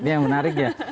ini yang menariknya